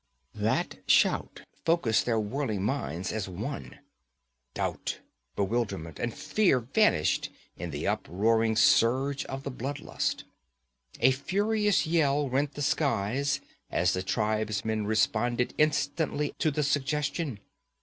That shout focused their whirling minds as one. Doubt, bewilderment and fear vanished in the uproaring surge of the blood lust. A furious yell rent the skies as the tribesmen responded instantly to the suggestion.